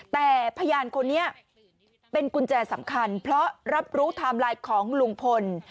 แต่พยานคนนี้เป็นกุญแจสำคัญเพราะรับรู้ไทม์ไลน์ของลุงพล